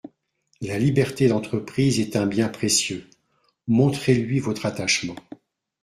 La liberté d’entreprise est un bien précieux : montrez-lui votre attachement.